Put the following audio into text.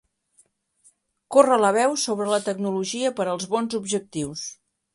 Corre la veu sobre la tecnologia per als bons objectius.